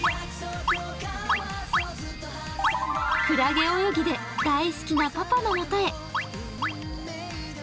クラゲ泳ぎで大好きなパパのもとへ。